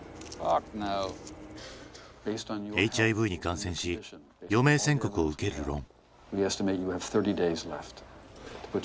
ＨＩＶに感染し余命宣告を受けるロン。